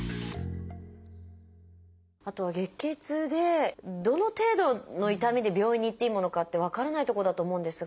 あとは月経痛でどの程度の痛みで病院に行っていいものかって分からないとこだと思うんですが。